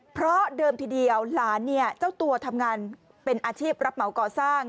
เพราะเดิมทีเดียวหลานเนี่ยเจ้าตัวทำงานเป็นอาชีพรับเหมาก่อสร้าง